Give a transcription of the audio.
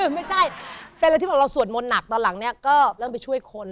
ไม่ใช่เป็นอะไรที่บอกเราสวดมนต์หนักตอนหลังเนี่ยก็เริ่มไปช่วยคน